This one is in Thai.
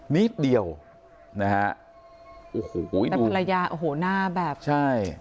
นิดเดียวนะฮะ